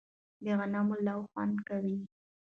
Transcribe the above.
د غنمو لو خوند کوي